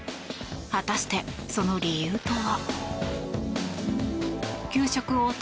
果たしてその理由とは。